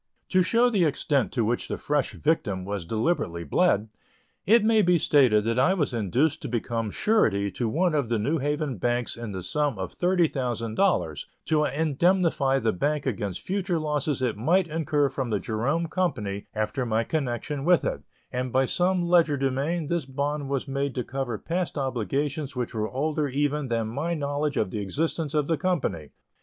To show the extent to which the fresh victim was deliberately bled, it may be stated that I was induced to become surety to one of the New Haven banks in the sum of $30,000 to indemnify the bank against future losses it might incur from the Jerome company after my connection with it, and by some legerdemain this bond was made to cover past obligations which were older even than my knowledge of the existence of the company.